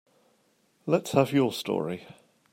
Let's have your story.